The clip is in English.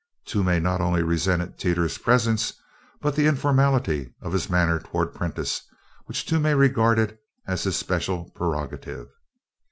Toomey not only resented Teeters' presence but the informality of his manner toward Prentiss, which Toomey regarded as his special prerogative.